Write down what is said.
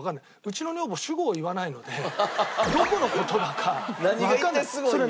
うちの女房主語を言わないのでどこの事だかわからない。